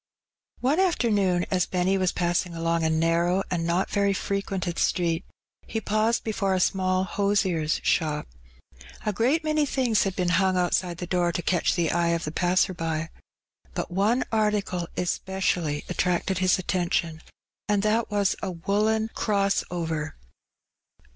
One afternoon^ as Benny was passing along a narrow and not very frequented street^ he paused before a small hosier^s shop. A great many things had been hung out side the door to catch the eye of the passer by. But one article especially attracted his attention, and that was a woollen "cross over."